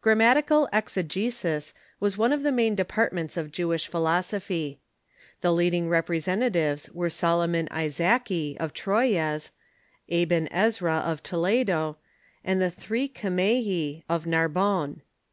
Grammatical exegesis was one of the main departments of Jewish philosophy. The leading representatives were Solo ^ mon Isaaki, of Troyes ; Aben Ezra, of Toledo ; and the three Kirachi, of Narbonne.